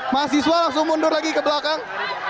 mahasiswa langsung mundur lagi ke belakang